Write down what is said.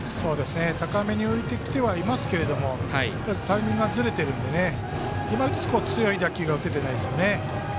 高めに浮いてきてはいますけどタイミングがずれてるので今ひとつ強い打球が打ててないですよね。